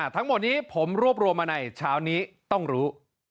ทั้งหมดนี้ผมรวบรวมมาในเช้านี้ต้องรู้